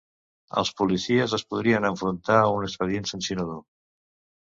Els policies es podrien enfrontar a un expedient sancionador